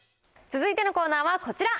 続いてのコーナーはこちら。